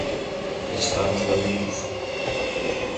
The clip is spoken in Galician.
Estamos vendidos.